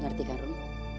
ngerti kan rum